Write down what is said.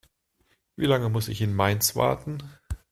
Wie lange muss ich in Mainz warten?